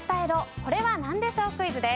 これは何でしょうクイズです。